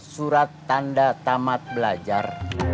surat tanda tamat belajar